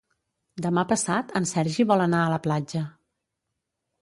Demà passat en Sergi vol anar a la platja.